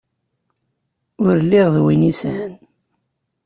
Ur lliɣ d win yesɛan.